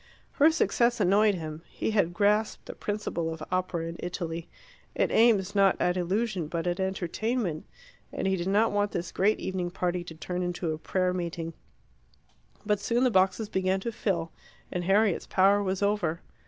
Her success annoyed him. He had grasped the principle of opera in Italy it aims not at illusion but at entertainment and he did not want this great evening party to turn into a prayer meeting. But soon the boxes began to fill, and Harriet's power was over.